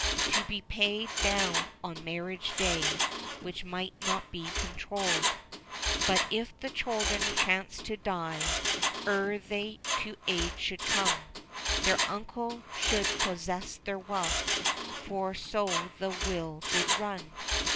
To be paid down on marriage day, Which might not be controlled. But if the children chanced to die Ere they to age should come, Their uncle should possess their wealth ; For so the will did run.